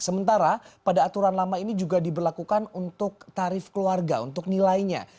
sementara pada aturan lama ini juga diberlakukan untuk tarif keluarga untuk nilainya